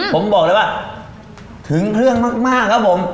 ผมบอกเลยว่าถึงเครื่องมากครับผม